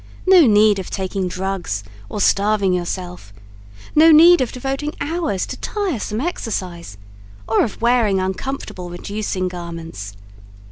No need of taking drugs or starving yourself; no need of devoting hours to tiresome exercise, or of wearing uncomfortable reducing garments.